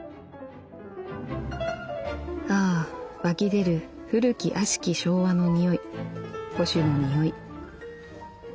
ああ湧き出る古き悪しき昭和の匂い保守の匂い。